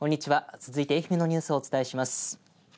続いて愛媛のニュースをお伝えします。